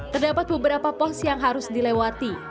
terdapat beberapa pos yang harus dilewati